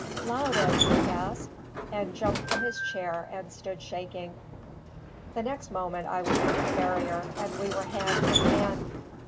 "Loudon!" he gasped, and jumped from his chair and stood shaking. The next moment I was over the barrier, and we were hand in hand.